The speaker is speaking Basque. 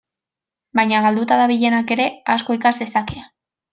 Baina galduta dabilenak ere asko ikas dezake.